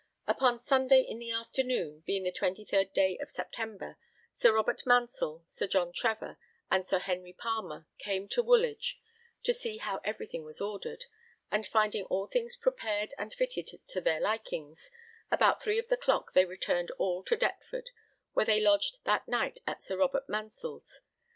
Upon Sunday in the afternoon, being the 23rd day of September, Sir Robert Mansell, Sir John Trevor, and Sir Henry Palmer came to Woolwich to see how everything was ordered, and finding all things prepared and fitted to their likings, about three of the clock they returned all to Deptford, where they lodged that night at Sir Robert Mansell's.